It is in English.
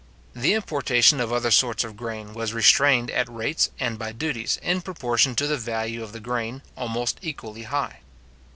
The importation of other sorts of grain was restrained at rates and by duties, in proportion to the value of the grain, almost equally high.